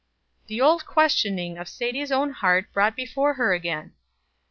The old questioning of Sadie's own heart brought before her again!